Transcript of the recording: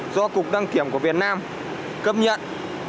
do cục đăng kiểm của việt nam cấp nhận